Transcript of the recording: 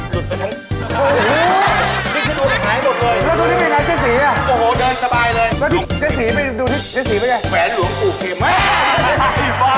หลุดไปทั้งคอบ๑๙หัว